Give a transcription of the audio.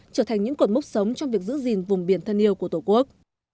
trở thành những cột mốc sống trong việc giữ gìn vùng biển thân yêu của tổ quốc